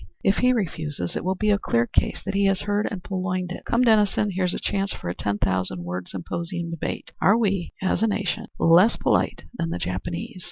If he refuses, it will be a clear case that he has heard and purloined it. Come, Dennison, here's a chance for a ten thousand word symposium debate, 'Are we, as a nation, less polite than the Japanese?'